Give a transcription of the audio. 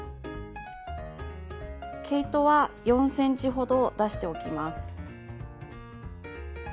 毛糸は４ｃｍほど出しておきます。